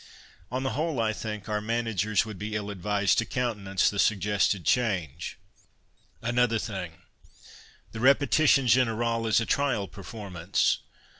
On the whole, I think our p.p. 118 I PASTICHE AND PREJUDICE managers would be ill advised to countenance the suggested change. Another thing. The repetition generale is a trial performance.